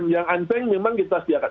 yang angbeng memang kita setiap kali